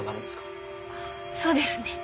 そうですね。